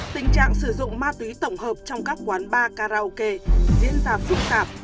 tình trạng sử dụng ma túy tổng hợp trong các quán bar karaoke diễn ra phức tạp